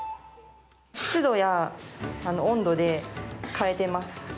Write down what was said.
湿度や温度で変えてます。